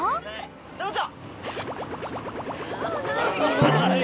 どうぞ。